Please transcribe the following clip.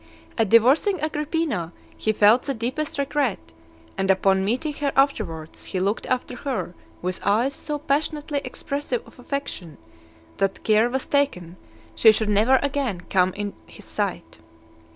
At divorcing Agrippina he felt the deepest regret; and upon meeting her afterwards, (198) he looked after her with eyes so passionately expressive of affection, that care was taken she should never again come in his sight.